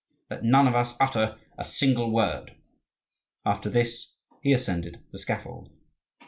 Let none of us utter a single word." After this he ascended the scaffold.